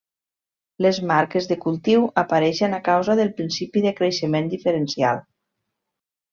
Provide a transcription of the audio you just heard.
Les marques de cultiu apareixen a causa del principi de creixement diferencial.